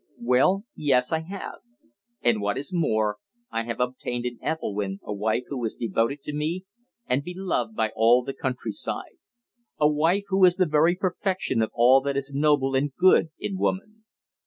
Well, yes, I have. And what is more, I have obtained in Ethelwynn a wife who is devoted to me and beloved by all the countryside a wife who is the very perfection of all that is noble and good in woman.